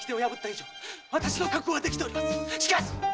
しかしっ！